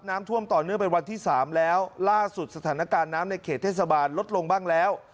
น้ำท่วมต่อเนื่องเป็นวันที่สามแล้วล่าสุดสถานการณ์น้ำในเขตเทศบาลลดลงบ้างแล้ว